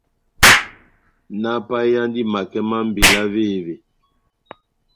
Náhápayeyandi makɛ má mbela óvévé ?